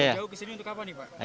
jauh ke sini untuk apa nih pak